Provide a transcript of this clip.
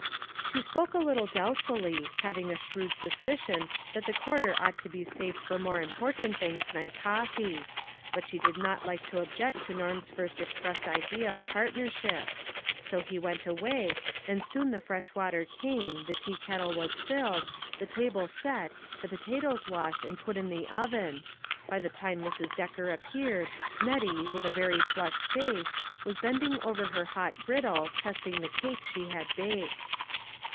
She spoke a little doubtfully, having a shrewd suspicion that the quarter ought to be saved for A GREAT UNDERTAKING. 91 more important things than coffee ; but she did not like to object to Norm's first expressed idea of partnership ; so he went away, and when the fresh water came, the teakettle was filled, the table set, the potatoes washed and put in the oven ; by the time Mrs. Decker appeared, Nettie, with a very flushed face, was bending over her hot griddle, testing the cake she had baked.